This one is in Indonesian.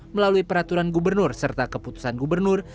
melalui peraturan gubernur serta keputusan gubernur